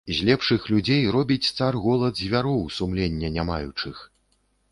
З лепшых людзей робіць цар голад звяроў, сумлення не маючых.